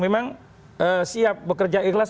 memang siap bekerja ikhlas